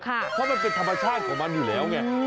เพราะมันเป็นธรรมชาติของมันอยู่แล้วไง